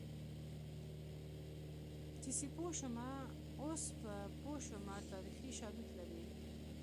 چې سیپو شومه اوس په پوه شومه تاریخي شالید لري